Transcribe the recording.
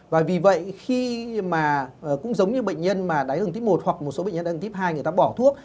và vì vậy khi mà cũng giống như bệnh nhân mà đáy ra đường tiếp một hoặc một số bệnh nhân đáy ra đường tiếp hai người ta bỏ thuốc